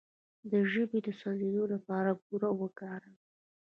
د ژبې د سوځیدو لپاره بوره وکاروئ